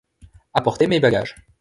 Apportez mes bagages.